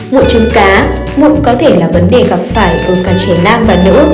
mụn trứng cá mụn có thể là vấn đề gặp phải ở cả trẻ nam và nữ